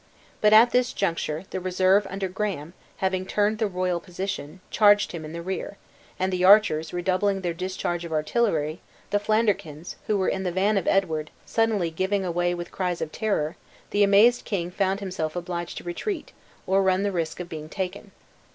But at this juncture, the reserve under Graham, having turned the royal position, charged him in the rear; and the archers redoubling their discharge of artillery, the Flanderkins, who were in the van of Edward, suddenly giving way with cries of terror, the amazed king found himself obliged to retreat, or run the risk of being taken.